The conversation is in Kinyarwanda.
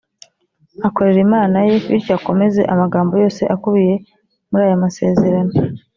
akorera imana ye bityo akomeze amagambo yose akubiye muri aya masezerano